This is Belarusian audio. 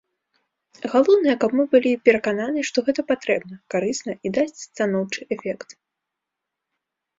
Галоўнае, каб мы былі перакананы, што гэта патрэбна, карысна і дасць станоўчы эфект.